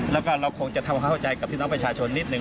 แล้วก็เราคงจะทำความเข้าใจกับพี่น้องประชาชนนิดนึ